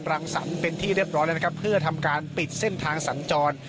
รังสรรค์เป็นที่เรียบร้อยแล้วนะครับเพื่อทำการปิดเส้นทางสัญจร